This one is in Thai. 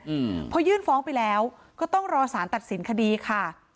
อืมพอยื่นฟ้องไปแล้วก็ต้องรอสารตัดสินคดีค่ะ